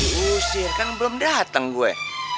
diusir kan belum datang gue